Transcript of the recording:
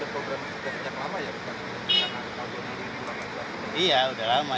tidak ada program lagi sudah lama